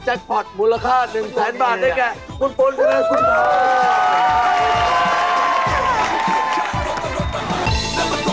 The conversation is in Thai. แจ็คพอร์ตมูลค่า๑แสนบาทด้วยกับ